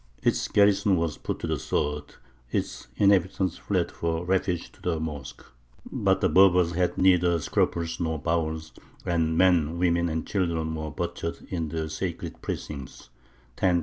Its garrison was put to the sword; its inhabitants fled for refuge to the mosque; but the Berbers had neither scruples nor bowels, and men, women, and children were butchered in the sacred precincts (1010).